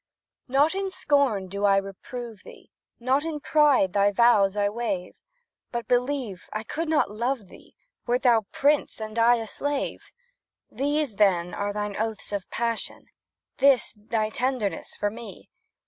Not in scorn do I reprove thee, Not in pride thy vows I waive, But, believe, I could not love thee, Wert thou prince, and I a slave. These, then, are thine oaths of passion? This, thy tenderness for me?